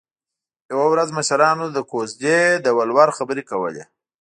یوه ورځ مشرانو د کوژدې د ولور خبرې کولې